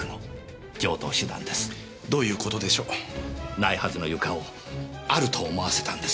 ないはずの床をあると思わせたんです。